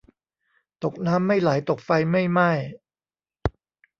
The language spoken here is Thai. ตกน้ำไม่ไหลตกไฟไม่ไหม้